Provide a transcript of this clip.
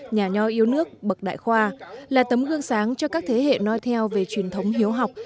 nhà nho yêu nước bậc đại khoa là tấm gương sáng cho các thế hệ nói theo về truyền thống hiếu học